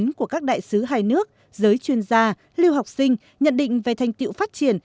phỏng vấn của các đại sứ hai nước giới chuyên gia lưu học sinh nhận định về thành tiệu phát triển